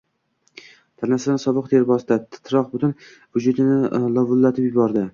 tanasini sovuq ter bosdi, titroq butun vujudini lovullatib yubordi.